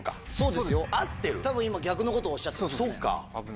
多分今逆のことおっしゃってますね。